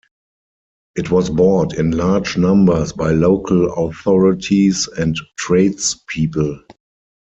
It was bought in large numbers by local authorities and trades people.